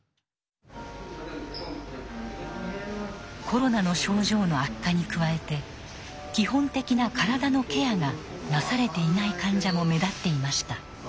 コロナの症状の悪化に加えて基本的な体のケアがなされていない患者も目立っていました。